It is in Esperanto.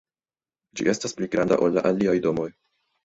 Ĝi estas pli granda ol la aliaj domoj.